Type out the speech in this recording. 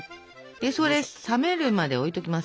それ冷めるまで置いときます。